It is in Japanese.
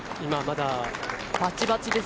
バチバチです。